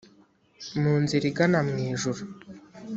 mu nzira igana mu ijuru